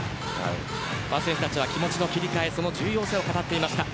選手たちは気持ちの切り替えの重要性を語っていました。